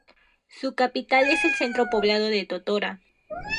Su capital es el centro poblado de Totora.